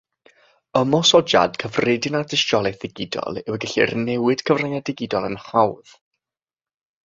Ymosodiad cyffredin ar dystiolaeth ddigidol yw y gellir newid cyfryngau digidol yn hawdd.